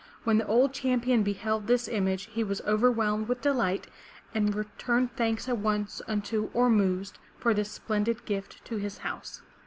When the old champion beheld this image he was .over whelmed with delight and returned thanks at once unto Or' muzd for this splendid gift to his house.